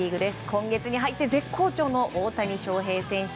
今月に入って絶好調の大谷翔平選手。